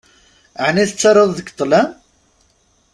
Ɛni tettaruḍ deg ṭṭlam?